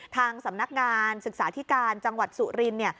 ทางสำนักงานศึกษาธิการจังหวัดสุริน